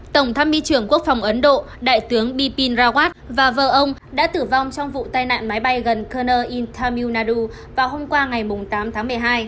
tổng tham mưu trưởng quốc phòng ấn độ đại tướng bipin rawat và vợ ông đã tử vong trong vụ tai nạn máy bay gần karnal in tamil nadu vào hôm qua ngày tám tháng một mươi hai